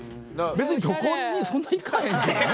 別にどこにそんな行かへんけどね。